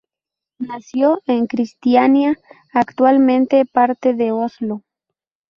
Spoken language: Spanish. Nació en Kristiania, actualmente parte de Oslo.